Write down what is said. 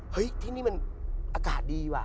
เฮ้ยที่นี่มันอากาศดีว่ะ